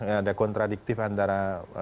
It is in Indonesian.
ada kontradiktif antara